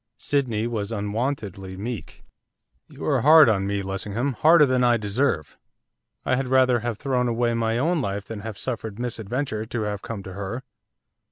Sydney was unwontedly meek. 'You are hard on me, Lessingham, harder than I deserve, I had rather have thrown away my own life than have suffered misadventure to have come to her.